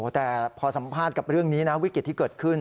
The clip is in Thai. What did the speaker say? แต่พอสัมภาษณ์กับเรื่องนี้นะวิกฤตที่เกิดขึ้น